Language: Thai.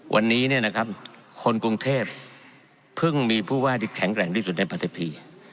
วันนี้เนี่ยนะครับคนกรุงเทพเพิ่งมีผู้ว่าที่แข็งแกร่งที่สุดในประเทศพี